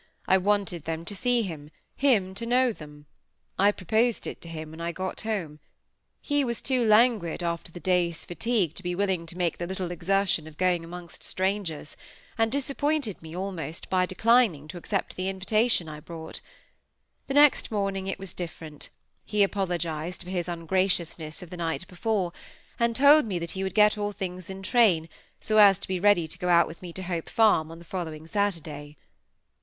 I wanted them to see him; him to know them. I proposed it to him when I got home. He was too languid after the day's fatigue, to be willing to make the little exertion of going amongst strangers; and disappointed me by almost declining to accept the invitation I brought. The next morning it was different; he apologized for his ungraciousness of the night before; and told me that he would get all things in train, so as to be ready to go out with me to Hope Farm on the following Saturday.